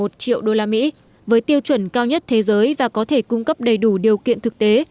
một triệu usd với tiêu chuẩn cao nhất thế giới và có thể cung cấp đầy đủ điều kiện thực tế